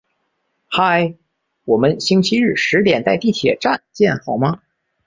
嗨，我们星期日十点在地铁站见好吗？